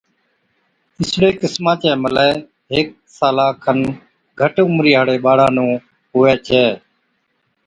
اِسڙِي قِسما چَي ملَي هيڪي سالا کن گھٽ عمرِي هاڙِي ٻاڙا نُون هُوَي ڇَي